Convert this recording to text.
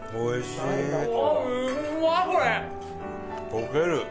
溶ける。